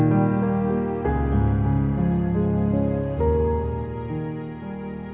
hari ini kita nggak bisa main dulu